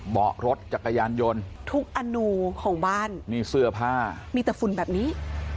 เบาะรถจักรยานยนต์ทุกอนูของบ้านนี่เสื้อผ้ามีแต่ฝุ่นแบบนี้